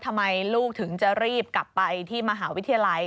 ทำไมลูกถึงจะรีบกลับไปที่มหาวิทยาลัย